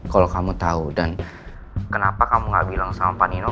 kalau kamu tahu dan kenapa kamu gak bilang sama pak nino